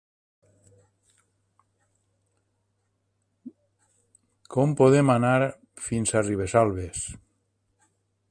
Com podem anar fins a Ribesalbes?